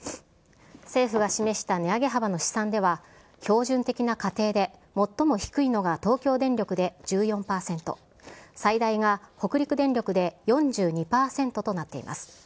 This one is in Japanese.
政府が示した値上げ幅の試算では、標準的な家庭で最も低いのが東京電力で１４％、最大が北陸電力で４２％となっています。